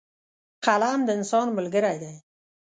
قلم د انسان ملګری دی.